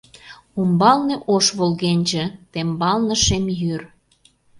Умбалне ош волгенче, Тембалне шеме йӱр.